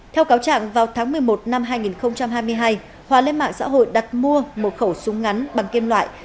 theo cáo trạng vào tháng một mươi một năm hai nghìn hai mươi hai hòa lên mạng xã hội đặt mua một khẩu súng ngắn bằng kim loại